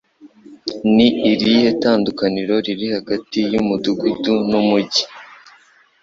Ni irihe tandukaniro riri hagati y'umudugudu n'umujyi